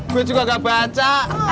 gue juga gak baca